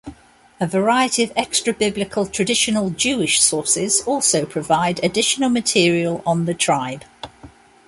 A variety of extrabiblical traditional Jewish sources also provide additional material on the tribe.